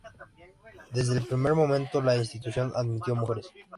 Desde el primer momento la institución admitió a mujeres.